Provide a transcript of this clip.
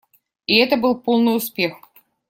И это был полный успех.